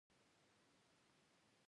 د پیرودونکي احساس ته درناوی وکړه.